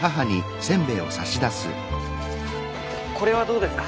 これはどうですか？